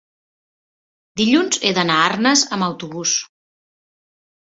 dilluns he d'anar a Arnes amb autobús.